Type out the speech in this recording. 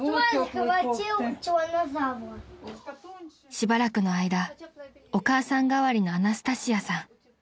［しばらくの間お母さん代わりのアナスタシアさん］